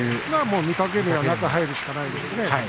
御嶽海は中に入るしかないですね。